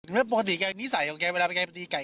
แล้วปกตินิสัยของแกเวลาไปแกะประตูดีไก่